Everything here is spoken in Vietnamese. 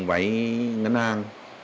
vậy ngân hàng